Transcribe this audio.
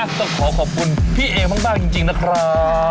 ต้องขอขอบคุณพี่เอมากจริงนะครับ